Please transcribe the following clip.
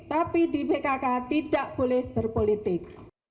tapi di bkk tidak boleh berpolitik